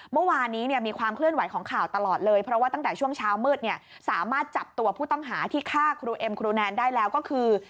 เมื่อวานนี้มีความเคลื่อนไหวของข่าวตลอดเลยเพราะว่าตั้งแต่ช่วงเช้ามืดเนี่ยสามารถจับตัวผู้ต้องหาที่ฆ่าครูเอ็มครูแนนได้แล้วก็คือ